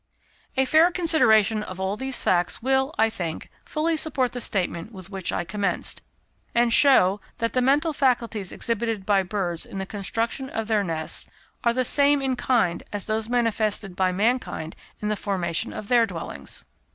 _ A fair consideration of all these facts will, I think, fully support the statement with which I commenced, and show, that the mental faculties exhibited by birds in the construction of their nests, are the same in kind as those manifested by mankind in the formation of their dwellings.